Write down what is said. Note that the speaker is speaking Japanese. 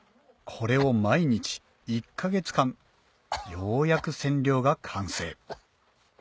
これを毎日１か月間ようやく染料が完成